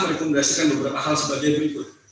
merekomendasikan beberapa hal sebagainya